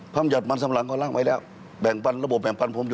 พร้อมจัดมันสำหรังก็ล่างไว้แล้วแบ่งปันระบบแบ่งปันพร้อมโยชน์